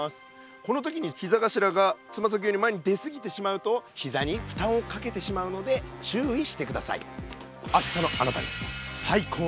この時にひざがしらがつまさきより前にですぎてしまうとひざにふたんをかけてしまうので注意してください。